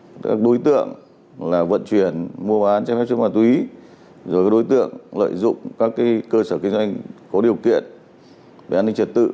cũng như các đối tượng bán lẻ hoặc đối tượng có những hành vi gây ra những bất ổn về an ninh trật tự